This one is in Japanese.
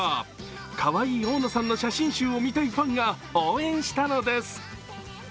かわいい大野さんの写真集を見たいファンが応援したのです。